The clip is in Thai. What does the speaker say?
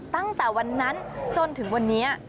ตั้งแต่วันนั้นจนถึงวันนี้